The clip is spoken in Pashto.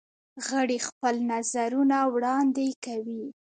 غړي خپل نظرونه وړاندې کوي.